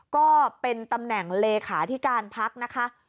ก็เป็นตำแหน่งเลขาธิการพักนะคะ